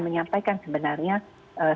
menyampaikan sebenarnya sebabnya